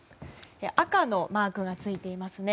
赤のマークがついていますね。